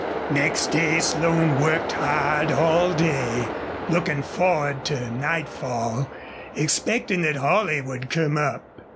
Next day Slone worked hard all day, looking forward to nightfall, expecting that Holley would come up.